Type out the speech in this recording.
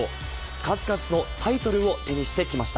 数々のタイトルを手にしてきました。